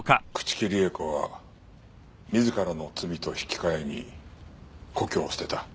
朽木里江子は自らの罪と引き換えに故郷を捨てた。